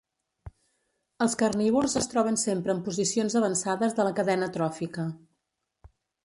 Els carnívors es troben sempre en posicions avançades de la cadena tròfica.